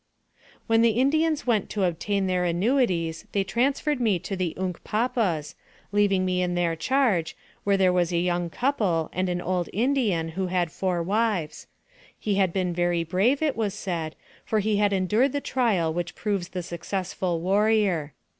When the Indians went to obtain their annuities, they transferred me to the Unkpapas, leaving me in their charge, where there was a young couple, and an old Indian, who had four wives; he had been very brave, it was said, for he had endured the trial which proves the successful warrior.